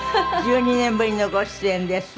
１２年ぶりのご出演です。